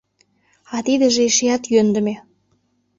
А тидыже эшеат йӧндымӧ.